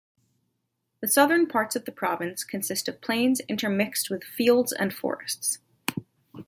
The Southern parts of the province consist of plains intermixed with fields and forests.